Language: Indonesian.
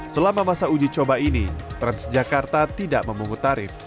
selama masa uji coba ini transjakarta tidak memungut tarif